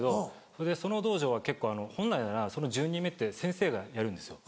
それでその道場は結構本来ならその１０人目って先生がやるんですよ。